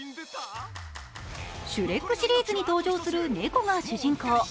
「シュレック」シリーズに登場する猫が主人公。